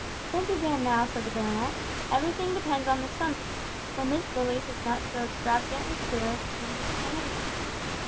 "Think again, now," said the Baronet, "everything depends on the `something,' for Miss Lilies is not so extravagantly queer as you seem to think her name was."